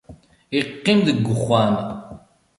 Iqqim deg-wexxam.